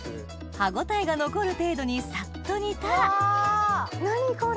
歯応えが残る程度にサッと煮たら何これ！